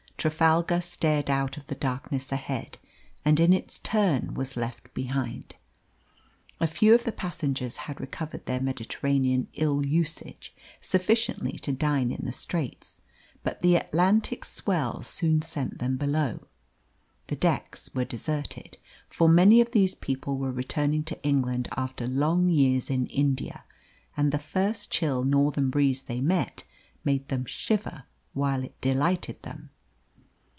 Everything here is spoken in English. Trafalgar stared out of the darkness ahead, and in its turn was left behind. A few of the passengers had recovered their Mediterranean ill usage sufficiently to dine in the Straits, but the Atlantic swell soon sent them below. The decks were deserted, for many of these people were returning to England after long years in India, and the first chill northern breeze they met made them shiver while it delighted them.